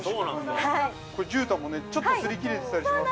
◆これ、じゅうたんもね、ちょっと擦り切れてたりしますよね。